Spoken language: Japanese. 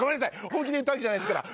本気で言ったわけじゃないですから。